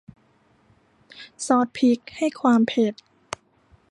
ซอสพริกให้ความเผ็ด